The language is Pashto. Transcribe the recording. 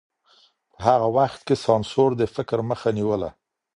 په هغه وخت کي سانسور د فکر مخه نيوله.